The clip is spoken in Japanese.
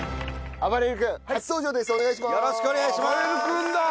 あばれる君だ！